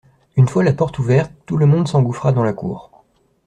Une fois la porte ouverte, tout le monde s’engouffra dans la cour.